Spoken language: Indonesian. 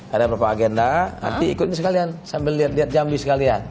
ada beberapa agenda nanti ikutin sekalian sambil lihat lihat jambi sekalian